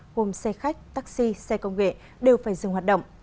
gồm xe khách taxi xe công nghệ đều phải dừng hoạt động